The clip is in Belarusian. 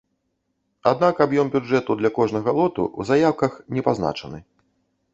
Аднак аб'ём бюджэту для кожнага лоту ў заяўках не пазначаны.